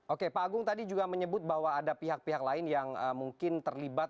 oke pak agung tadi juga menyebut bahwa ada pihak pihak lain yang mungkin terlibat